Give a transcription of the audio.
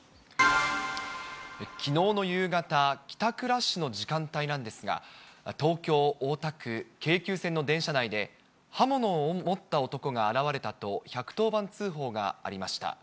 きのうの夕方、帰宅ラッシュの時間帯なんですが、東京・大田区、京急線の電車内で、刃物を持った男が現れたと１１０番通報がありました。